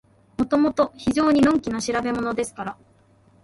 もともと非常にのんきな調べものですから、